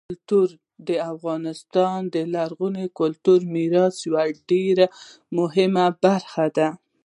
کلتور د افغانستان د لرغوني کلتوري میراث یوه ډېره مهمه برخه ده.